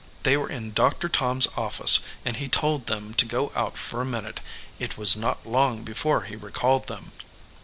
They were in Doctor Tom s office, and he told them to go out for a min ute. It was not long before he recalled them.